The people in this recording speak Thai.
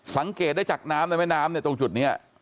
สังเกตได้จากน้ำในแม่น้ำเนี่ยตรงจุดนี้